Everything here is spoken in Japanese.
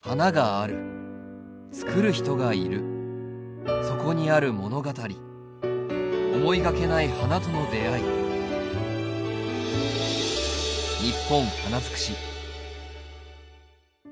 花があるつくる人がいるそこにある物語思いがけない花との出会いあ